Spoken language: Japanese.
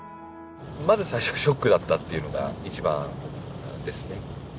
まず最初ショックだったっていうのが一番ですね。